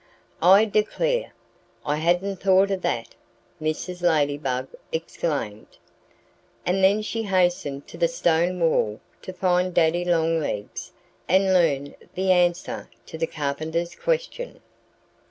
"I declare, I hadn't thought of that!" Mrs. Ladybug exclaimed. And then she hastened to the stone wall to find Daddy Longlegs and learn the answer to the Carpenter's question.